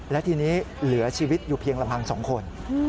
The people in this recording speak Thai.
และทีนี้เหลือชีวิตอยู่เพียงลำพัง๒คน